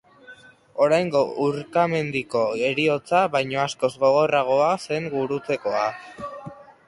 Oraingo urkamendiko heriotza baino askoz gogorragoa zen gurutzekoa.